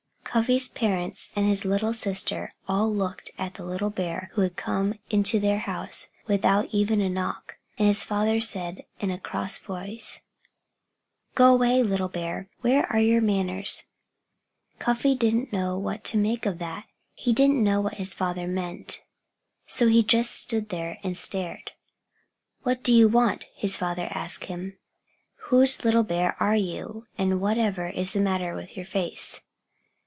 Cuffy's parents and his little sister all looked at the little bear who had come into their house without even a knock. And his father said, in a cross voice "Go away, little bear. Where are your manners?" Cuffy didn't know what to make of that. He didn't know what his father meant. So he just stood there and stared. "What do you want?" his father asked him. "Whose little bear are you? And whatever is the matter with your face?"